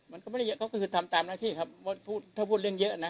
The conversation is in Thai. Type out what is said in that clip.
มันก็ไม่ได้เยอะก็คือทำตามหน้าที่ครับว่าถ้าพูดเรื่องเยอะนะ